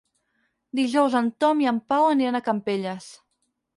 Dijous en Tom i en Pau aniran a Campelles.